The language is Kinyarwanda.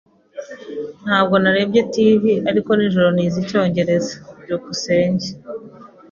Ntabwo narebye TV ariko nijoro nize icyongereza. byukusenge